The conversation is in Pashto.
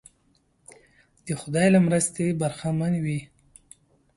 د خدای له مرستې برخمن وي.